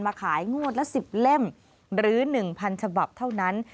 ขายงวดละ๑๐เล่มหรือ๑๐๐ฉบับเท่านั้น